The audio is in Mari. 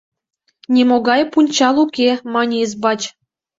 — Нимогай пунчал уке, — мане избач.